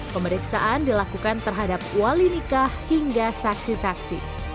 pemeriksaan dilakukan terhadap wali nikah hingga saksi saksi